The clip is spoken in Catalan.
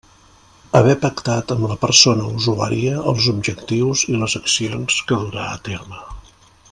Haver pactat amb la persona usuària els objectius i les accions que durà a terme.